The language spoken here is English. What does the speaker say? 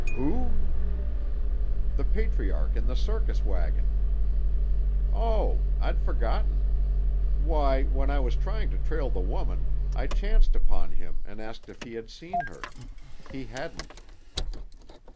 "Who?" "The patriarch in the circus wagon." "Oh! I'd forgotten. Why, when I was trying to trail the woman, I chanced upon him and asked if he had seen her. He hadn't."